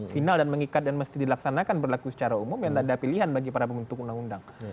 final dan mengikat dan mesti dilaksanakan berlaku secara umum dan tak ada pilihan bagi para pembentuk undang undang